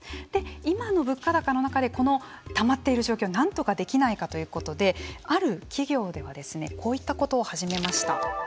今の物価高の中でこのたまっている状況をなんとかできないかということである企業ではですねこういったことを始めました。